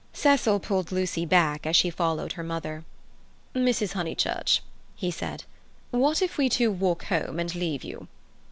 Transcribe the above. Cecil pulled Lucy back as she followed her mother. "Mrs. Honeychurch," he said, "what if we two walk home and leave you?"